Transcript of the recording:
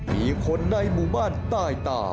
มีคนในหมู่บ้านใต้ตา